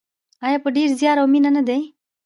آیا په ډیر زیار او مینه نه دی؟